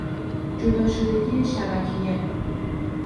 جدا شدگی شبکیه